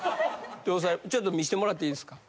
ちょっと見してもらっていいですか？